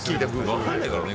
分からないからね。